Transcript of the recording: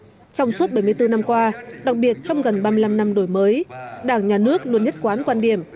trong suốt bảy mươi bốn năm qua đặc biệt trong gần ba mươi năm năm đổi mới đảng nhà nước luôn nhất quán quan điểm